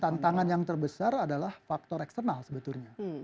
tantangan yang terbesar adalah faktor eksternal sebetulnya